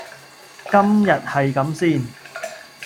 今日係咁先